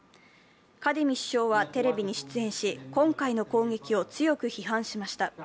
カディミ首相はテレビに出演し、今回の攻撃を強く批判しました。